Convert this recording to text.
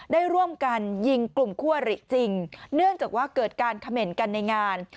ได้ร่วมกันยิงกลุ่มคั่วหรี่จริงเนื่องจากว่าเกิดการเขม่นกันในงาน